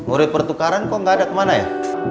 uri pertukaran kok gak ada kemana ya